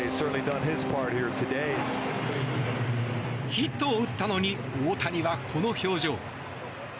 ヒットを打ったのに大谷はこの表情。